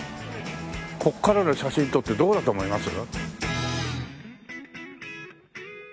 ここからの写真撮ってどうだと思います？